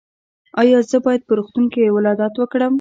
ایا زه باید په روغتون کې ولادت وکړم؟